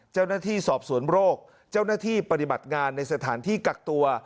เจ้าหน้าที่สอบสวนโรคเจ้าหน้าที่ปฏิบัติงานในสถานที่กักตัว